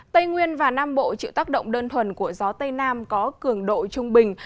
tây nguyên và nam bộ chịu tác động đơn thuần của gió tây nam có cường độ trung bình